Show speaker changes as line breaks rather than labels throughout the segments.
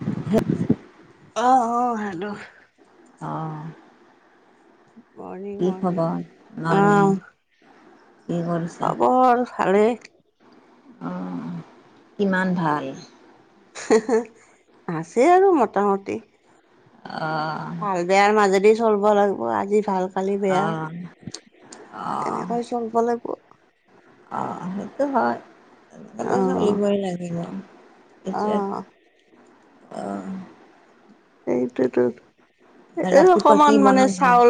[inaudible]
অ', অ', সাধু
অ',
মৰ্ণিং
কি
মৰ্ণিং
খবৰ
অ
নানিৰ? কি হ'ল
খবৰ ভালেই!
উম, কিমান ভাল?
আছে আৰু মোটামুটি।
অ'।
ভাল বেয়াৰ মাজেদি চলিব লাগিব আজি ভাল কালি বেয়া
অ',
তাকে
অ',
কৈছো। চলব লাগিব।
অ', সেইটো হয়। আকৌ
অ
চোন ইন ওৱাই লাগিব
অ
এতিয়া অ'।
এইটোতো এ
ৰাতিপুৱা কি
অকমান মানে
বনালা?
চাউল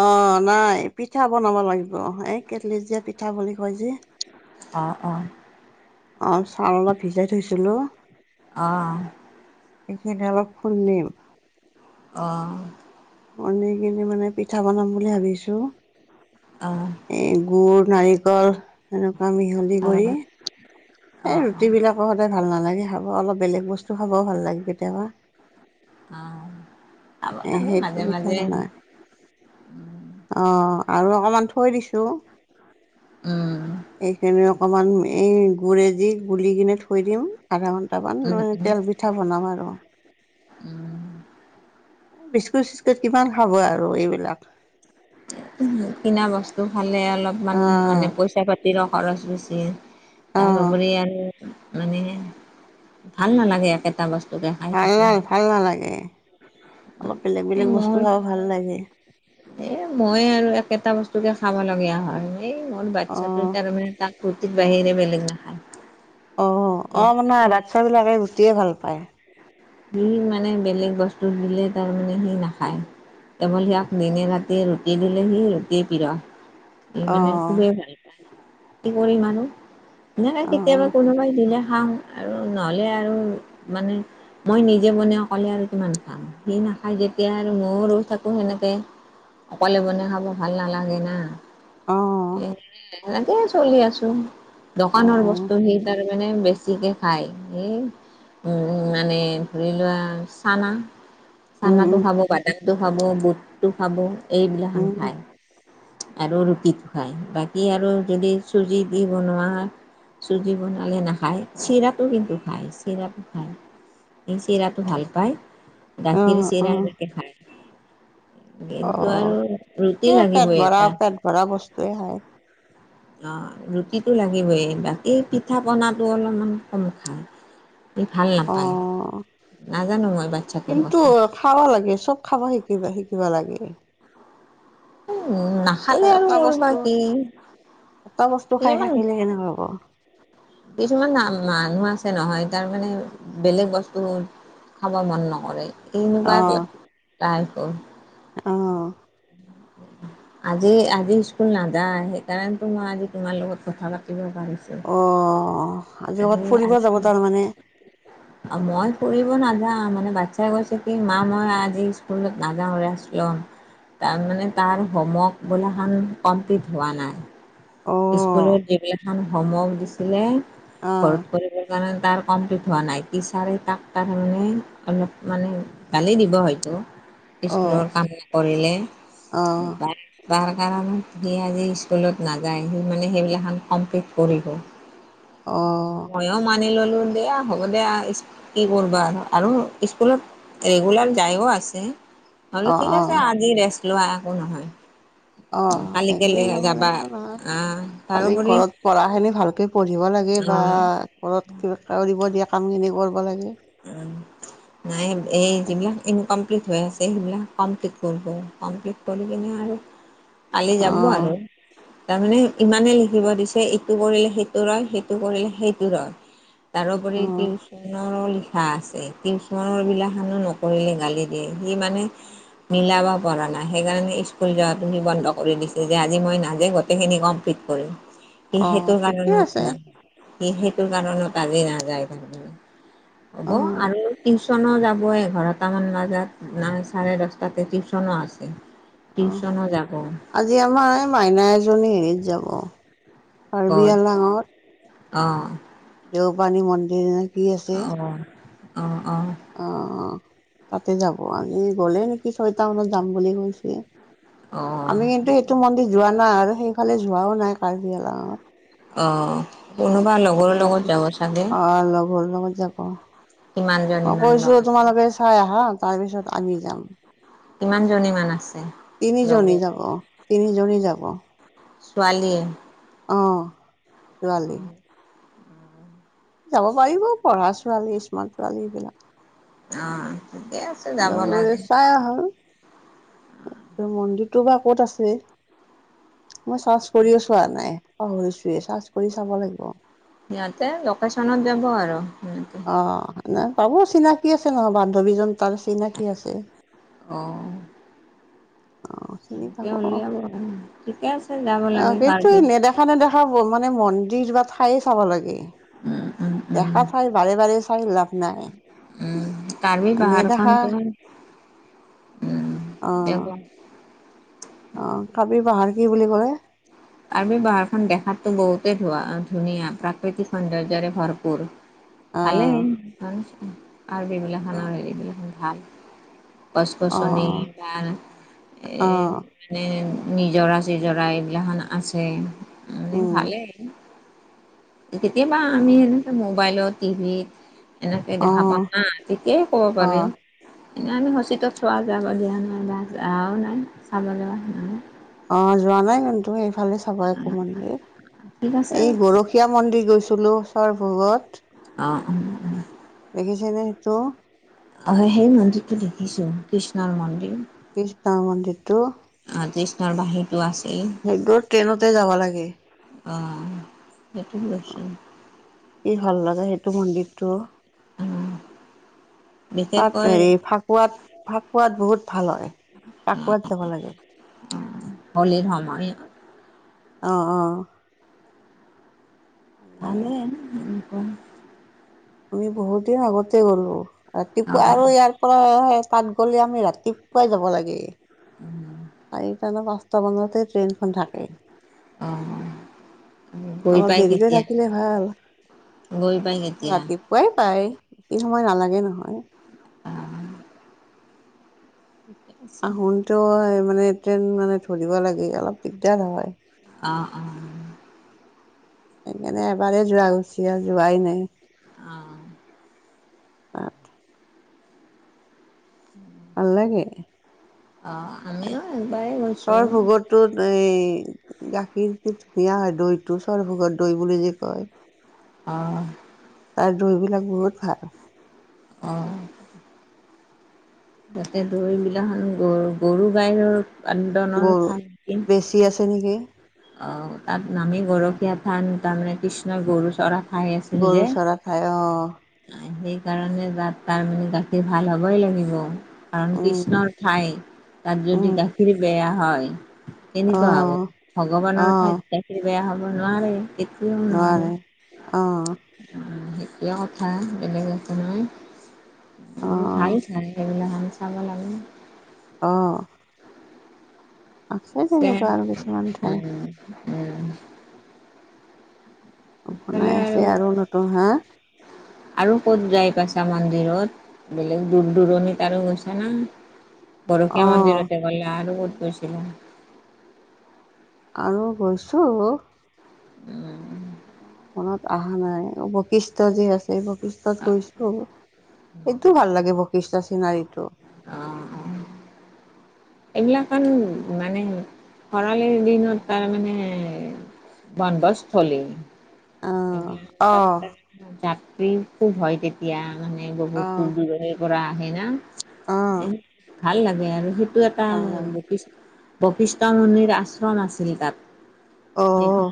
অ', নাই পিঠা বনাব লাগিব। এই কেটলিত দিয়া পিঠা বুলি কয় যে।
অ', অ'।
অ', চাউল অলপ ভিজাই থৈছিলো
অ',
সেইখিনি অলপ খুন্দিম।
অ'।
খুন্দি কিনি মানে পিঠা বনাম বুলি ভাবিছো।
অ'।
এই গুৰ নাৰিকল এনেকুৱা মিহলি কৰি।
[inaudible]
এই ৰুটিবিলাকো সদায় ভাল নালাগে খাব অলপ বেলেগ বস্তু খাবও ভাল লাগে কেতিয়াবা।
অ', খাব
এ
লাগে
সেইটো
মাজে
পিঠা
মাজে।
বনাই।
উম,
অ', আৰু অকমান থৈ দিছো,
উম,
এইখিনি অকমান এই গুৰে যি গুলি কিনে থৈ দিম। আধা ঘণ্টামান
উম,
মানে
উম,
তেল পিঠা বনাম আৰু।
উম।
বিস্কুট চিস্কুট কিমান খাব আৰু এইবিলাক।
উম, কিনা বস্তু খালে অলপমান
অঁ
মানে পইচা পাতিৰো খৰচ বেছি।
অঁ
তাৰোপৰি আন মানে ভাল নালাগে একেটা বস্
[unintelligible] ভাল নালাগে ভাল নালাগে অলপ বেলেগ
এই
বেলেগ বস্তু
মোৰ
খাই ভাল লাগে।
এ মই আৰু একেটা বস্তুকে খাব লগীয়া হয়, এই মোৰ বাচ্ছাটো
অঁ
তাৰমানে তাক ফুৰ্তিৰ বাহিৰে বেলেগ নাখায়।
অঁ অঁ মানে
সি
বাটচা বিলাকে ৰুটিয়ে ভাল পায়।
সি মানে বেলেগ বস্তু দিলে তাৰমানে সি নাখায়। কেৱল হিয়াক দিনে ৰাতি ৰুটি দিলেহি ৰুটিৰ পিৰ। সি মানে
অঁ
খুবেই ভাল পায়, কি কৰিম আৰু নাহ
অঁ
কেতিয়াবা কোনোবাই দিলে খাম আৰু নহ'লে আৰু মানে মই নিজে বনাই অকলে আৰু কিমান খাম? সি নাখায় যেতিয়া আৰু ময়ো ৰৈ থাকো সেনেকে, অকলে বনাই খাব ভাল নালাগে না। ওহ এনেকেই চলি আছো, দোকানৰ
অঁ
বস্তু সেই তাৰে মানে বেছ বেছিকে খায় এই মানে ধৰি লোৱা, চানা চানাটো খাব
অঁ
বাদামটো খাব বুটটো খাব এইবিলাক আনি
অঁ
খাই। আৰু ৰুটিটো খায়, বাকী আৰু যদি চুজি দি বনোৱা হয় চুজি বনালে নাখায়। চিৰাটো কিন্তু খায়, চিৰাটো খায়, সি চিৰাটো ভাল পায়। গাখীৰ,
অহ
চিৰা
অহ
তেনেকে খায়। কিন্তু
অহ
আৰু ৰুটি লাগিবই এটা।
পৰা বস্তুৱে খায়।
অঁ ৰুটিটো লাগিবই, বাকী পিঠা পনাটো অলমান কম খায়। ই ভাল নাপায়,
অহ
নাজানো মই বাচ্ছাটোৰ কথা।
খাবা লাগে, চ'ব খাবা শিকিব শিকিবা লাগে।
ওম,
এটা
নাখালে আৰু
এটা
মোৰ
বস্তু
বা কি?
এটা বস্তু খাই
ইমান
থাকিলে কেনকা হ'ব?
কিছুমান না মানুহ আছে নহয় তাৰ মানে বেলেগ বস্তুৰ খাবা মন নকৰে,
অহ
এনেকুৱা টাইপৰ।
অহ
আজি আজি স্কুল নাযায়, সেইকাৰণেতো মই আজি তোমাৰ লগত কথা পাতিব পাৰিছোঁ।
অ' আজি কবাত ফুৰিব যাব তাৰমানে
অ' মই ফুৰিব নাযাওঁ, মানে বাচ্ছাই কৈছে কি মা মই আজি স্কুলত নাযাওঁ, ৰেষ্টলম।
[inaudible]
তাৰমানে
অহ
তাৰ হোমৱৰ্ক বোলাখান কমপ্লিট হোৱা নাই। স্কুলত যিবিলাখন হোমৱৰ্ক দিছিলে
অহ
ঘৰত কৰিবৰ কাৰণে, তাৰ কমপ্লিট হোৱা নাই, টিচাৰে তাক তাৰমানে অলপ মানে গালি দিব হয়তো,
অহ
স্কুলৰ কাম নকৰিলে।
অহ
তাৰ কাৰণত সি আজি স্কুলত নাযায়, সি মানে সেইবিলাখান কমপ্লিট কৰিব।
অঁ।
মইও মানি ল'লো দেয়া হ'ব দেয়া কি কৰিবা আৰু আৰু স্কুলত ৰেগুলাৰ যায়ও আছে। হ'লো ঠিক
অহ
আছে আজি ৰেষ্ট লোৱা একো নহয়।
অহ
কালিকেলে
একদিন
হে
নগ'লে
যাবা
একো নহয়
আহ
খালি
তাৰোপৰি
ঘৰত পঢ়াখিনি ভালকে পঢ়িব লাগে বা
অ
ঘৰত কিবা কৰিব দিয়া কামখিনি কৰিব লাগে।
উম নাই, এই যিবিলাক ইনকমপ্লিট হৈ আছে সেইবিলাক কমপ্লিট কৰব, কমপ্লিট কৰি কিনে আৰু কালি যাব
অ',
আৰু। তাৰমানে ইমানে লিখিব দিছে ইটো কৰিলে সেইটো ৰয়, সেইটো কৰিলে সেইটো ৰয়।
[inaudible]
তাৰোপৰি
অ',
টিউচনৰ হা আছে টিউচনৰ বিলাকানো নকৰিলে গালি দিয়ে সি মানে মিলাব পৰা নাই সেইকাৰণে স্কুল যোৱাটো সি বন্ধ কৰি দিছে যে আজি মই নাজে গোটেইখিনি কমপ্লিট সি
অ',
সেইটো
ঠিকে আছে
কাৰণত ন স সেইটো কাৰণত আজি নাযায় ভাকে হ'ব
অ',
আৰু টিউশচনো যাবই এঘাৰটামান বজাত নাই চাৰে দহটাতে টিউশনো আছে।
অ'।
টউশনো যাব।
আজি আমাৰ এই মাইনা এজনী হেৰিত যাব কাৰ্বি
হয় অ
দেউপানী মন্দিৰ কি আছে
অ অ অ
অ তাতে যাব আজি গলে নেকি ছয়টা মানত যাম বুলি কৈছে
অঁ
আমি কিন্তু এইটো মন্দিৰ যোৱা নাই আৰু সেইফালে যোৱাও নাই কাৰ্বি আলং
অ কোনোবা ল
সিহতে অ লগৰ লগত যাব মই
কিমানজনীমান লগ
কৈছো
আছে
তোমালোকে চাই আহা তাৰ পিছত আমি যাম
কিমান জনী মান আছে
তিনিজনী
লগৰ
যাব তিনিজনী যাব
ছোৱালী য়ে
অ ছোৱালী যাব পাৰিব পঢ়া ছোৱালী স্মাৰ্ট ছোৱালী এইবিলাক
অ ঠিকে আছে
অ
যাব
গৈ
লাগে
চাই আহোঁ। ত মন্দিৰটো বা ক'ত আছে মই চাৰ্চ কৰিও চোৱা নাই। অ সেইটোৱেই চাছ কৰি চাব লাগিব।
সিহঁতে লোকেশ্যনত যাব আৰু সহ
অ নে পাব চিনাকি আছে নহয় বান্ধৱীজন তাৰ চিনাকি আছে।
অ
অ চিনি
তাকে
পাব অ
উলিয়াব ঠিকে আছে যাব লাগে ভাল।
সেইখানে দেখা মানে মন্দিৰো বা ঠাইয়ে চাব লাগে।
উম, উম, উম,
দেখা চাই বাৰে বাৰে চাই লাভ নাই
কাৰ্বি
নেদেখা
পাহাৰখনত
অঁ
দেখোন
অ কাৰ্বি পাহাৰ কি বুলি ক'লে
কাৰ্বি পাহাৰখন দেখাতটো বহুতে ধুনীয়া প্ৰাকৃতিক সৌন্দৰ্যৰে ভৰপুৰ
অ
ভালেই আৰু
অ
এইবিলাখনৰ এইবিল ভাল গছ
অ
গছনি বা
অ
এই মানে নিজৰা চিজৰা এইবিলা আছে মে
উম
ভালে আৰু কেতিয়াবা
অ
আমি এনেকে মোবাইলত টিভিত এনেকে দেখা পাওঁ
অ
উম তেতিয়াই কব
অ
পাৰিম এনে আমি শচিতত চোৱা যাব দিয়া নাই বা যোৱাও নাই চাবলগা সেনে
অ যোৱা নাই কিন্তু সেইফালে চাব একো মন্দিৰ
ঠিক আছে
এই গৰখি সকীয়া মন্দিৰ গৈছিলো চৰভোগত
অঁ অঁ অ
দেখিছেনে, সেইটো?
অ, সেই মন্দিৰটো দেখিছোঁ, কৃষ্ণৰ মন্দিৰ।
কৃষ্ণৰ মন্দিৰটো।
অ, কৃষ্ণৰ বাঁহীতো আছে। এই,
সেইটো ট্ৰেইনতে যাব লাগে
অ, সেইটো গৈছি
কি ভাল লগে, সেইটো মন্দিৰটো?
অ
তাত
বিশেষকৈ
হেৰি, ফাকুৱাত, ফাকুৱাত বহুত ভাল হয়। ফাকুৱাত যাব লাগে।
উম, হলিত ধেমালি
অ, অ, ভাল লাগে
ভালেই, উম, উম, উম,
আমি বহুত দিন আগতে গলোঁ,
অ
ৰাতিপুৱা আৰু ইয়াৰ তাত গ'লে আমি, ৰাতিপুৱাই যাব লাগে।
উম,
চাৰিটা নে, পাঁচটা বজাতে ট্ৰেইনখন থাকে।
অ, গৈ
অলপ,
পাই
দেৰিকৈ
কেতিয়া
থাকিলে ভাল,
গৈ পাই কেতিয়া
ৰাতিপুৱা পোৱাই পাই, বেছি সময় নালাগে নহয়।
অ ঠিকে আছে
আহোনতো মানে ট্ৰেইন মানে, ধৰিব লাগে অলপ দিগদাৰ হয়।
অ, অ,
সেইকাৰণে এবাৰেই যোৱা গৈছি আৰু যোৱাই নাই।
অ, উম,
ভাল লাগে।
অ, আমিও এবাৰ গৈছোঁ।
তত, এই গাখীৰটো ধুনিয়া হয়, দৈটো সৰভোগ দৈ বুলি যে কয়।
অ,
তাৰ দৈবিলাক বহুত ভাল।
অ, তাতে, দৈবিলাখন গৰু, গৰু গাইৰৰ পদনৰ ঠাই
সি আছে নেকি?
অ, তাত নামি গৰখীয়া থান, তাৰমানে কৃষ্ণ গৰু চৰা। ঠাই আছি, যে।
গৰু চৰা ঠাই অ
সেইকাৰণে তাত তাৰ মানে গাখীৰ ভাল হ'বই লাগিব, কাৰণ
উম
কৃষ্ণৰ ঠাই তাত,
উম
যদি গাখীৰ বেয়া হয়,
অ
কেনেকুৱা হ'ব?
অ
ভগৱানৰ ঠাইত, গাখীৰ বেয়া হ'ব নোৱাৰে, কেতিয়াও নোৱাৰে।
অ
সেইটোয়ে কথা, বেলেগ একো নহয়।
অ
এই ভাল চাৰী, এইবিলাকখন চাব লাগে।
অ, আছে
চেম,
তেনেকুৱা আৰু কিছুমান ঠাই
উম, উম,
বনাই
এইফালে
আছে
আৰু
নতুন হা
আৰু ক'ত যাই পাইছা মন্দিৰত? বেলেগ দূৰ-দূৰণিত আৰু গৈছা না? গৰখীয়া
অ'
মন্দিৰতে গ'লা আৰু ক'ত গৈছিলা?
আৰু গৈছোঁ
উম,
মনত অহা নাই। অ, বৈশিষ্ট যি আছে এই বশিষ্ঠত গৈছো এইটো ভাল লাগে বশিষ্ট চিনাৰীটো।
অ', অ'। এইবিলাকখন মানে খৰালিৰ দিনত তাৰ মানে বনভোজস্থলী,
অ'
এইবিলাক
অ'
তাতে যাত্ৰী খুব হয় তেত তিয়া মানে বহুত
অ'
দূৰ দূৰণিৰ পৰা আহে না
অ'
ভাল লাগে আৰু সেইটো এটা
ভাল লাগে
বশিষ বশিষ্ঠ মন্দিৰ আশ্ৰম আছিল তাত। সেইখন
অ'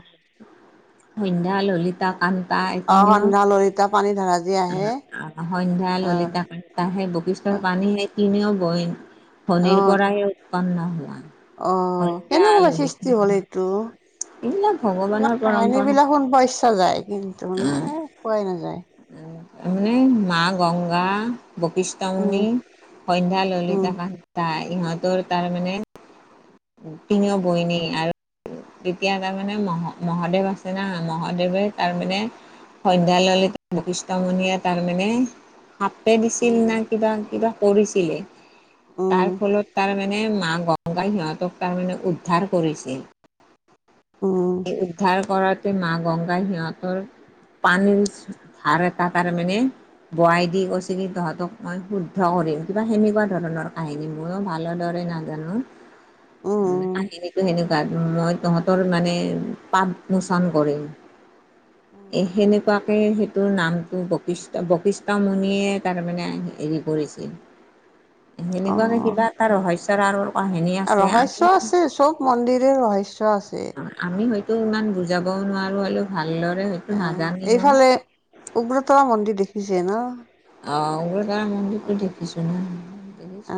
সন্ধ্যা, ললিত তা, কান্তা এই
অ'
তিনেও
সন্ধ্যা ললিতা পানী ধাৰা যে আহে
অ' সন্ধ্যা,
অ'
ললিতা কান্তা সেই বশিষ্টৰ পানী সেই বৈন ভনীৰ
অ'
পৰাই উৎপন্ন হোৱা।
অ',
সন্ধ্যা
কেনেকুৱা
ললিতা
সৃষ্টি হ'ল এইটো।
এইবিলাক
এইবিলাক
ভগৱানৰ পৰম্পৰা
কাহিনীবিলাক শুনব ইচ্ছা যায়, কিন্তু মানে পোৱাই নাযায়।
উম, উম, মা গংগা বশিষ্ঠ
উম
মণি, সন্ধ্যা,
উম
ললিতা, কান্তা ইহঁতৰ তাৰমানে তিনিও বৈনী আৰু তেতিয়া তাৰমানে মহ-মহাদেৱ আছে না, মহাদেৱে তাৰমানে সন্ধ্যা, ললিতা বশিষ্ট মুণিয়ে তাৰমানে সাপেই দিছিল
উম
না কিবা কিবা কৰিছিলে।
উম
তাৰফলত তাৰমানে মা গংগাই সিহঁতক তাৰমানে উদ্ধাৰ কৰিছিল।
উম
সেই
উম
উদ্ধাৰ কৰাত মা গংগাই সিহঁতৰ পানীৰ ধাৰ এটা তাৰেমানে বোৱাই দি কৈছে, কি তহঁতক মই শুদ্ধ কৰিম, কিবা সেনেকুৱা ধৰণৰ কাহিনী ময়ো ভালৰ দৰে না জানো, উম কাহিনীতো সেনেকুৱা। মই তহঁতৰ মানে পাপ মোচন কৰিম।
অ
এই সেনেকুৱাকে সেই তোৰ নামটো বশিষ্ট বশিষ্ঠ মুণিয়ে তাৰমানে হেৰি কৰিছিল। সেনেকুৱাকে কিবা এটা ৰহস্যৰ আৰৰ কাহিনী আছে,
ৰহস্য
আমি
আছে চব মন্দিৰে ৰহস্য আছে।
অ', আমি হয়তো ইমান বুজাবও নোৱাৰো, হ'লেও ভালদৰে
অ',,
নাজানিমও
এইফালে উগ্ৰতাৰা মন্দিৰ দেখিছে ন।
অ', উগ্ৰতাৰা
অ
মন্দিৰতো দেখিছো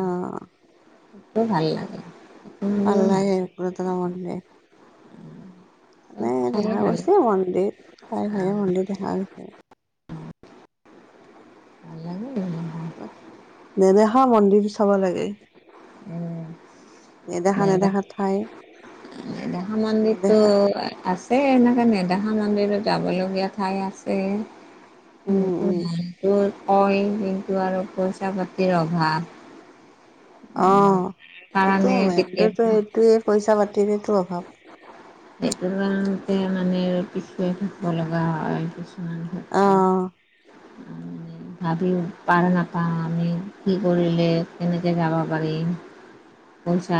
অ
সেইটোও ভাল লাগে।
ভাল লাগে উগ্ৰতাৰা মন্দিৰ।
উম।
মানে দেখা গৈছে মন্দিৰ হয় হয়
অ
মন্দিৰ দেখা গৈছে।
ভালেই।
নেদেখা মন্দিৰ চাব লাগে,
উম
নেদেখা
নেদা
নেদেখা ঠাই।
নেদেখা মন্দিৰটো
নেদেখা
আছে এনেকা নেদেখা মন্দিৰো যাব লগীয়া ঠাই আছে।
উম উম
[unintelligible] কয় কিন্তু আৰু পইচা পাতিৰ অভাৱ। উম,
অ', এইটো
কাৰণে
মেইনটোতো
কেতিয়াবা
এইটোৱেই পইচা পাতিৰেটো অভাৱ।
এইটোৰ কাৰণতে মানে পিছুৱাই থাকিব লগা হয় পিছে।
অ'।
ভাবিও পাৰ নাপাওঁ আমি কি কৰিলে এনেকে যাব পাৰিম। পইচাৰ